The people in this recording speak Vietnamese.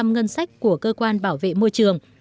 hai mươi năm ngân sách của cơ quan bảo vệ môi trường